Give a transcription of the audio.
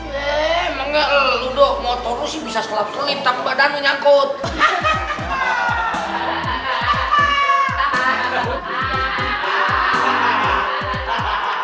yeee emangnya lo dok motor lo sih bisa slap slip tanpa badan lo nyangkut